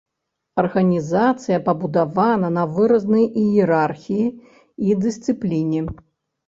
Арганізацыя пабудавана на выразнай іерархіі і дысцыпліне.